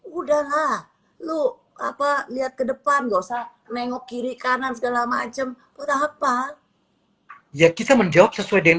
udahlah lu apa lihat ke depan nggak usah nengok kiri kanan segala macem udah apa ya kita menjawab sesuai dengan